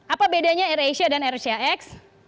apa bedanya air asia dan air asia x